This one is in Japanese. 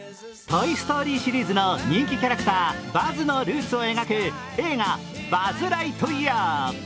「トイ・ストーリー」シリーズの人気キャラクター、バズのルーツを描く映画「バズ・ライトイヤー」。